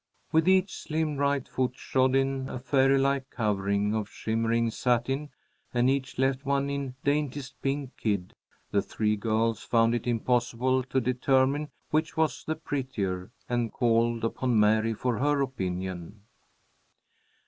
With each slim right foot shod in a fairy like covering of shimmering satin, and each left one in daintiest pink kid, the three girls found it impossible to determine which was the prettier, and called upon Mary for her opinion.